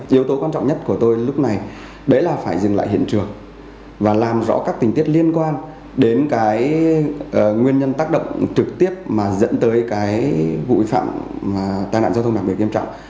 yếu tố quan trọng nhất của tôi lúc này đấy là phải dừng lại hiện trường và làm rõ các tình tiết liên quan đến cái nguyên nhân tác động trực tiếp mà dẫn tới cái vụ phạm tai nạn giao thông đặc biệt nghiêm trọng